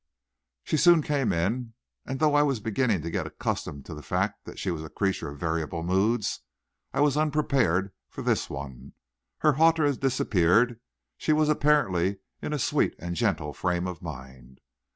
She soon came in, and though I was beginning to get accustomed to the fact that she was a creature of variable moods, I was unprepared for this one. Her hauteur had disappeared; she was apparently in a sweet and gentle frame of mind.